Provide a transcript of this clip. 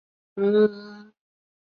真冈郡是日本统治下桦太厅的一郡。